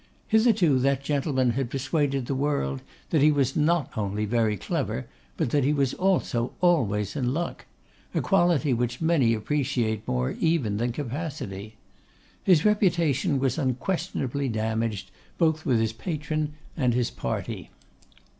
Hitherto that gentleman had persuaded the world that he was not only very clever, but that he was also always in luck; a quality which many appreciate more even than capacity. His reputation was unquestionably damaged, both with his patron and his party.